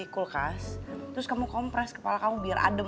kulkas terus kamu kompres kepala kamu biar adem